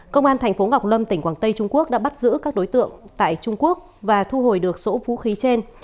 công an thành phố ngọc lâm tỉnh quảng tây trung quốc đã bắt giữ các đối tượng tại trung quốc và thu hồi được số vũ khí trên